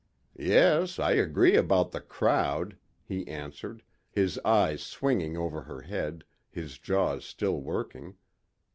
"Yes, I agree about the crowd," he answered, his eyes swinging over her head, his jaws still working.